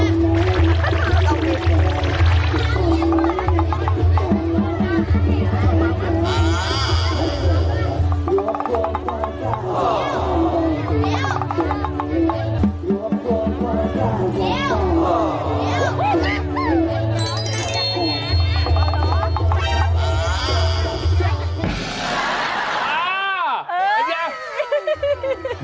ยังงี้เลย